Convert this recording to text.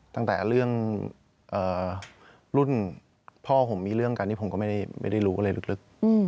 ตั้งแต่เรื่องรุ่นพ่อผมมีเรื่องกันนี่ผมก็ไม่ได้รู้อะไรลึก